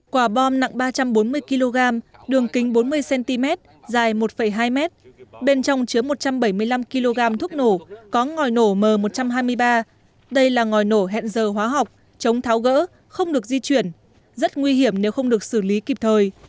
quả bom nặng ba trăm bốn mươi kg đường kính bốn mươi cm dài một hai m bên trong chứa một trăm bảy mươi năm kg thuốc nổ có ngòi nổ m một trăm hai mươi ba đây là ngòi nổ hẹn giờ hóa học chống tháo gỡ không được di chuyển rất nguy hiểm nếu không được xử lý kịp thời